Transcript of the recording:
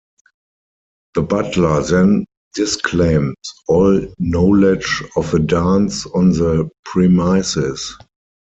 The butler then disclaimed all knowledge of a dance on the premises.